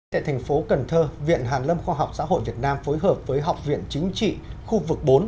tại thành phố cần thơ viện hàn lâm khoa học xã hội việt nam phối hợp với học viện chính trị khu vực bốn